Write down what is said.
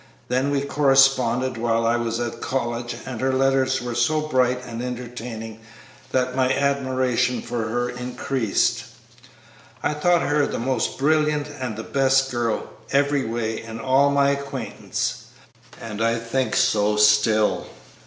Then we corresponded while I was at college, and her letters were so bright and entertaining that my admiration for her increased. I thought her the most brilliant and the best girl, every way, in all my acquaintance, and I think so still."